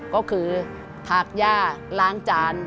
ก็คือถากย่าล้างจาน